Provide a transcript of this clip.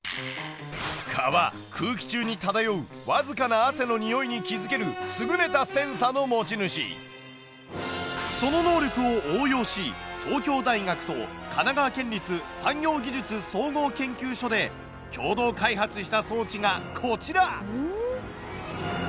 蚊は空気中に漂うわずかなその能力を応用し東京大学と神奈川県立産業技術総合研究所で共同開発した装置がこちら！